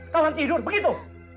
makan tidur begitu